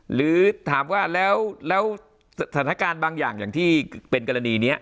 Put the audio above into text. หรือถามว่าแล้วสถานการณ์บางอย่างอย่างที่เป็นกรณีนี้